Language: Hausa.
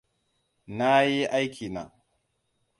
Na yi aikina.